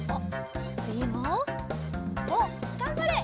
つぎもおっがんばれ！